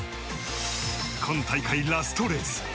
今大会ラストレース。